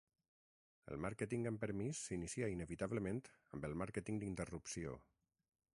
El màrqueting amb permís s'inicia inevitablement amb el màrqueting d'interrupció.